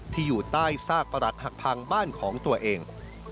อยู่ใต้ซากประหลัดหักพังบ้านของตัวเอง